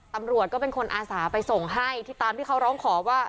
ตำรวจก็เป็นคนอาสาไปส่งให้ที่ตามที่เขาร้องขอว่า